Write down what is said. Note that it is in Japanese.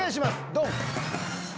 ドン！